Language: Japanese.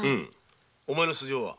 お前の素性は？